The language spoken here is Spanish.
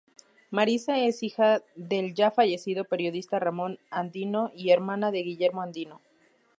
Marisa es hija del ya fallecido periodista Ramón Andino, y hermana de Guillermo Andino.